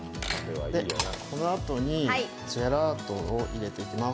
このあとにジェラートを入れていきます。